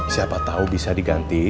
siapa tau bisa diganti